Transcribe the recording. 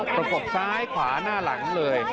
ประกบซ้ายขวาหน้าหลังเลย